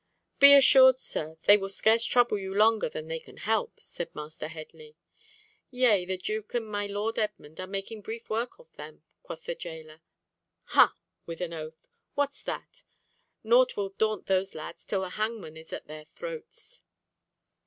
"Be assured, sir, they will scarce trouble you longer than they can help," said Master Headley. "Yea, the Duke and my Lord Edmund are making brief work of them," quoth the jailer. "Ha!" with an oath, "what's that? Nought will daunt those lads till the hangman is at their throats."